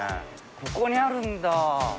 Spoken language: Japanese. ここにあるんだ。